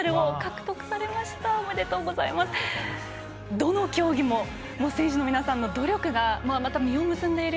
どの競技も選手の皆さんの努力がまた実を結んでいる。